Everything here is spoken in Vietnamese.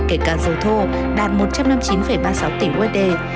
kể cả dầu thô đạt một trăm năm mươi chín ba mươi sáu tỷ usd